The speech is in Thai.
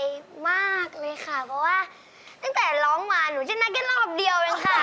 มากเลยค่ะเพราะว่าตั้งแต่ร้องมาหนูจะนัดแค่รอบเดียวเองค่ะ